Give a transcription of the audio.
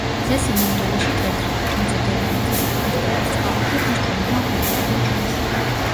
მზე სინამდვილეში თეთრია, თუმცა დედამიწის ატმოსფეროს წყალობით, ის ჩვენგან ყვითელი მოჩანს.